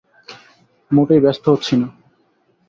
মোটেই ব্যস্ত হচ্ছি না।